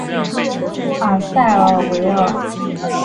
昂塞尔维尔。